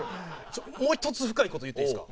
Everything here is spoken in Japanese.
もう一つ深い事言っていいですか？